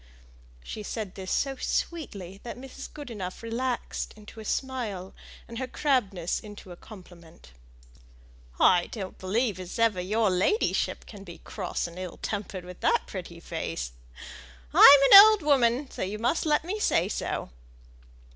She said this so sweetly that Mrs. Goodenough relaxed into a smile, and her crabbedness into a compliment. "I don't believe as ever your ladyship can be cross and ill tempered with that pretty face. I'm an old woman, so you must let me say so."